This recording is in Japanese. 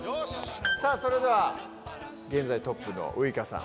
さあそれでは現在トップのウイカさん。